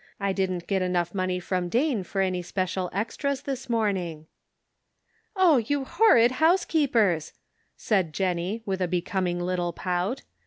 I didn't get enough money from Dane for any special extras this morning." " Oh, you horrid housekeepers I " said Jen nie, with a becoming little pout.